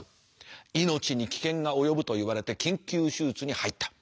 命に危険が及ぶと言われて緊急手術に入った。